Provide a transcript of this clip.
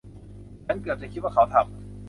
ฉันเกือบจะคิดว่าเขาทำ